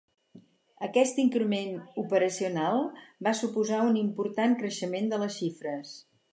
Aquest increment operacional va suposar un important creixement de les xifres.